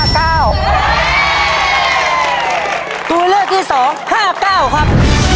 ตัวเลขที่สอง๕๙ครับ